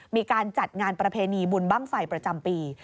มีการจัดงานประเพณีบุญบ้างไฟประจำปี